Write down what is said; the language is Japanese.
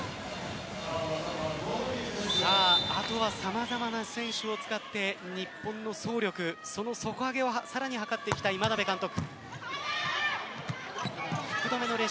あとは様々な選手を使って日本の総力その底上げをさらに図っていきたい眞鍋監督。